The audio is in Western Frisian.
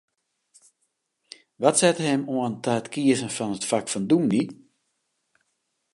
Wat sette him oan ta it kiezen fan it fak fan dûmny?